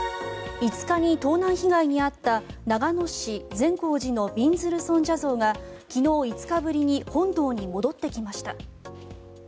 ５日に盗難被害に遭った長野市・善光寺のびんずる尊者像が昨日、５日ぶりに本堂に戻ってきました。